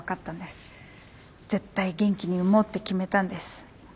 絶対元気に産もうって決めたんです。